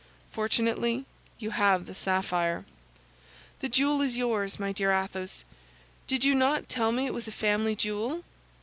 Fortunately, you have the sapphire." "The jewel is yours, my dear Athos! Did you not tell me it was a family jewel?"